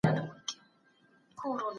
پرمختګ کوي چې پوهه پيدا کړي.